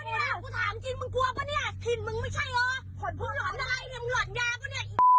กลัวเหรอมึงกลัวปะเนี้ยมึงกลัวปะเนี้ยถิ่นมึงไม่ใช่เหรอ